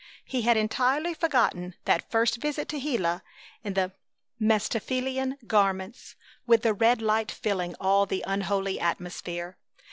He had entirely forgotten that first visit to Gila in the Mephistophelian garments, with the red light filling all the unholy atmosphere.